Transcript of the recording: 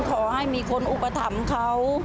ขอให้มีคนอุปถัมภ์เขา